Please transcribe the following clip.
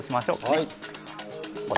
はい。